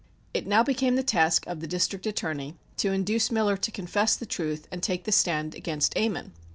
It now became the task of the District Attorney to induce Miller to confess the truth and take the stand against Ammon.